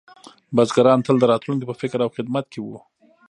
بزګران تل د راتلونکي په فکر او خدمت کې وو.